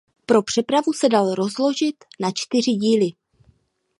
Pro přepravu se dal rozložit na čtyři díly.